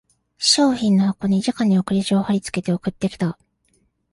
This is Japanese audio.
商品の箱にじかに送り状を張りつけて送ってきた